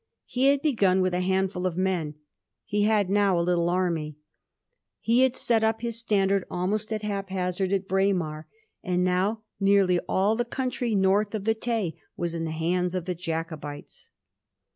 He had begun with a handful of men. He had now a little army. He had set up his standard almost at haphazard at Braemar, and now nearly all the country north of the Tay was in the hands of the Jacobites.